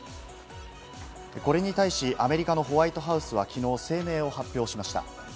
これに対しアメリカのホワイトハウスは昨日、声明を発表しました。